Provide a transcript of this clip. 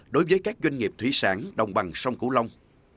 đối với các doanh nghiệp thủy sản đồng bằng sông cửu long